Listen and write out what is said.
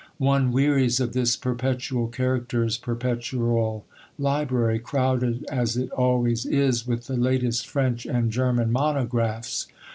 One wearies of this perpetual character's perpetual library, crowded, as it always is, with the latest French and German monographs.